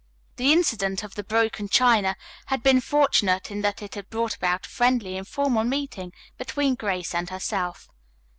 The incident of the broken china had been fortunate in that it had brought about a friendly, informal meeting between Grace and herself.